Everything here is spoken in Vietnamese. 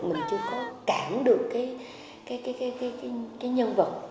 mình chưa có cảm được cái nhân vật